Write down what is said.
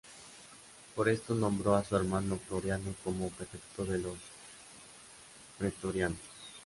Por esto nombró a su hermano Floriano como prefecto de los pretorianos.